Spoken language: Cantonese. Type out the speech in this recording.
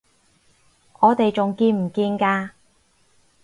我哋仲見唔見㗎？